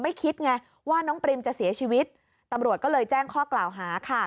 คิดไงว่าน้องปริมจะเสียชีวิตตำรวจก็เลยแจ้งข้อกล่าวหาค่ะ